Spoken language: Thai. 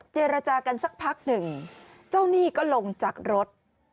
เจรจากันสักพักหนึ่งเจ้าหนี้ก็ลงจากรถ